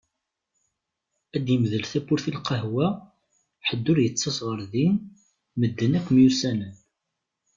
Ad d-imdel tawwurt i lqahwa, ḥed ur yettaẓ ɣer din, medden akk myussanen.